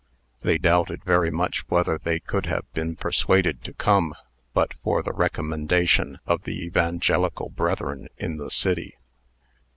They doubted very much whether they could have been persuaded to come, but for the recommendation of their evangelical brethren in the city.